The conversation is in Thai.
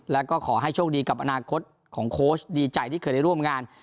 แล้วก็ขอให้โชคดีกับอนาคตของโค้ชดีใจที่เคยได้ร่วมงาน